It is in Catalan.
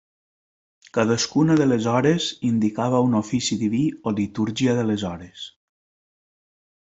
Cadascuna de les hores indicava un Ofici Diví o Litúrgia de les Hores.